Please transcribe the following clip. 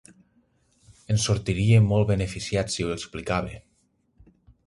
En sortiria molt beneficiat si ho explicava.